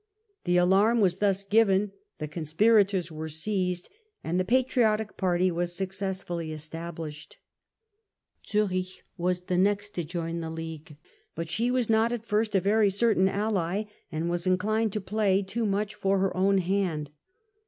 The alarm was thus given, the conspirators were seized and the patriotic party was successfully established. Zurich was the next to join the League, but she was Zurich and not at first a very certain ally, and was inclined to playgj'yj^ too much for her own hand.